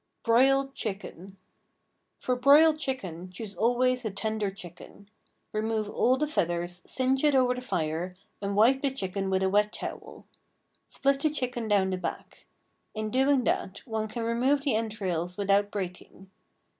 _ BROILED CHICKEN. For broiled chicken choose always a tender chicken. Remove all the feathers, singe it over the fire, and wipe the chicken with a wet towel. Split the chicken down the back. In doing that one can remove the entrails without breaking.